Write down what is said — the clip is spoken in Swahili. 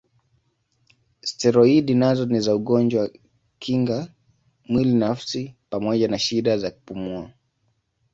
Steroidi nazo ni za ugonjwa kinga mwili nafsi pamoja na shida za kupumua.